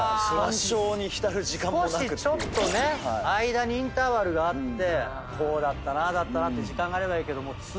少しちょっとね間にインターバルがあってこうだったなああだったなって時間があればいいけどもう次の。